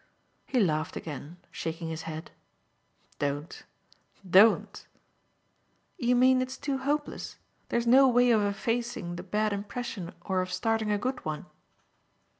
He laughed again, shaking his head. "Don't don't." "You mean it's too hopeless? There's no way of effacing the bad impression or of starting a good one?"